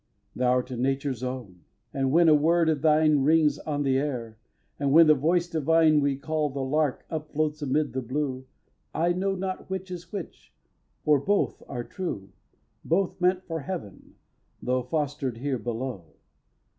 xi. Thou'rt Nature's own; and when a word of thine Rings on the air, and when the Voice Divine We call the lark upfloats amid the blue, I know not which is which, for both are true, Both meant for Heaven, though foster'd here below.